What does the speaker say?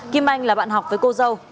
kim anh là bạn học với cô dâu